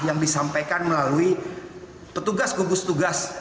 yang disampaikan melalui petugas gugus tugas